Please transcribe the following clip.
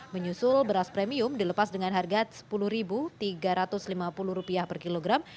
menyusul beras premium dilepas dengan harga rp sepuluh tiga ratus lima puluh per kilogram